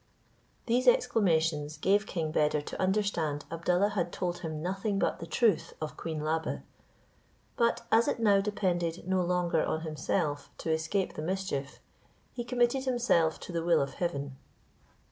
These exclamations gave King Beder to understand Abdallah had told him nothing but the truth of Queen Labe; but as it now depended no longer on himself to escape the mischief, he committed himself to the will of heaven.